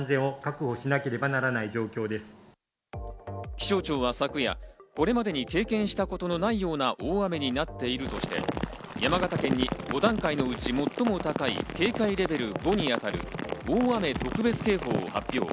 気象庁は昨夜、これまでに経験したことのないような大雨になっているとして、山形県に５段階のうち最も高い警戒レベル５に当たる大雨特別警報を発表。